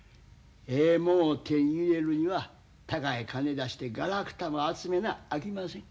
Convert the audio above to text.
ええもんを手に入れるには高い金出してガラクタも集めなあきません。